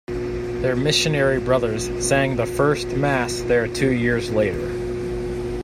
Their missionary brothers sang the first Mass there two years later.